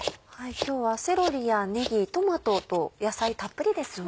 今日はセロリやねぎトマトと野菜たっぷりですよね。